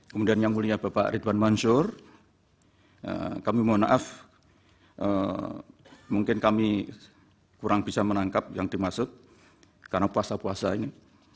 kemudian yang mulia bapak ridwan mansur kami mohon maaf mungkin kami kurang bisa menangkap yang dimaksud karena puasa puasa ini